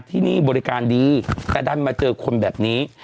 ที่นี่บริการดีแต่ดันมาเจอคนแบบนี้